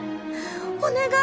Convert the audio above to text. お願い。